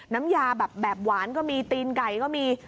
น้ำยาแบบหวานก็มีตีนไก่ก็มี